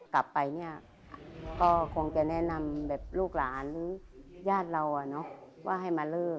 กลับไปเนี่ยก็คงจะแนะนำแบบลูกหลานหรือญาติเราว่าให้มาเลิก